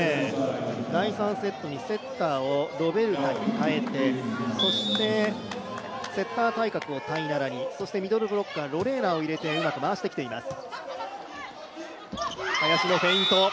第３セットにセッターをロベルタに代えてそしてセッター対角をタイナラにそしてミドルブロッカー、ロレーナを入れて、うまく回してきています。